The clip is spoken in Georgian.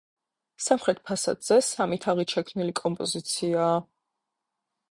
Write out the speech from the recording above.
სამხრეთ ფასადზე სამი თაღით შექმნილი კომპოზიციაა.